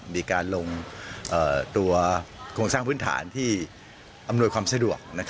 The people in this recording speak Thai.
มีการลงตัวโครงสร้างพื้นฐานที่อำนวยความสะดวก